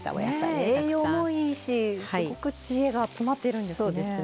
栄養もいいしすごく知恵が詰まっているんですね。